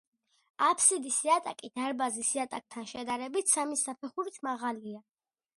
აფსიდის იატაკი, დარბაზის იატაკთან შედარებით, სამი საფეხურით მაღალია.